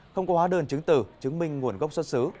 không có hóa đơn chứng tử chứng minh nguồn gốc xuất xứ